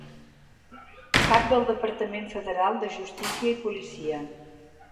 Cap del Departament Federal de Justícia i Policia.